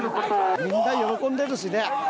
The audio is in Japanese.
みんな喜んでるしね。